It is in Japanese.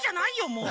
もう。